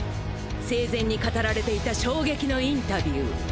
生前に語られていた衝撃のインタビュー」！